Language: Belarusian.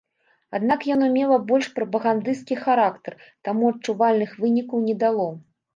Аднак яно мела больш прапагандысцкі характар, таму адчувальных вынікаў не дало.